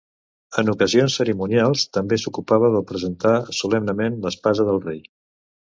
En ocasions cerimonials també s'ocupava de presentar solemnement l'espasa del rei.